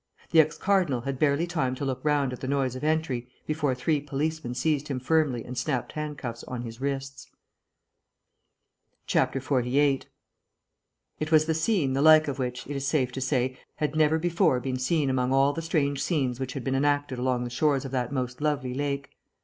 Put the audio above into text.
The ex cardinal had barely time to look round at the noise of entry before three policemen seized him firmly and snapped handcuffs on his wrists. 48 It was a scene the like of which, it is safe to say, had never before been seen among all the strange scenes which had been enacted along the shores of that most lovely lake.